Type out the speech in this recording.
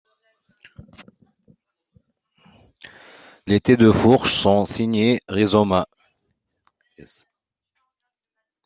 Les tés de fourche sont signés Rizoma.